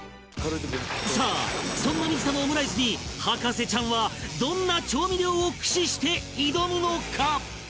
さあそんな水田のオムライスに博士ちゃんはどんな調味料を駆使して挑むのか？